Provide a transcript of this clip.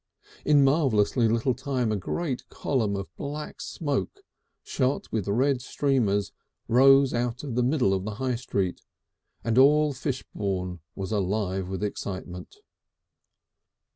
In marvellously little time a great column of black smoke, shot with red streamers, rose out of the middle of the High Street, and all Fishbourne was alive with excitement.